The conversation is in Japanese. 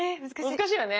難しいよね。